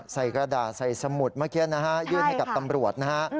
กระดาษใส่สมุดเมื่อกี้นะฮะยื่นให้กับตำรวจนะฮะ